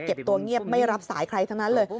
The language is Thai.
ตัวเงียบไม่รับสายใครทั้งนั้นเลย